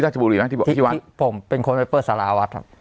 ชบุรีนะที่บอกที่วัดผมเป็นคนไปเปิดสาราวัดครับ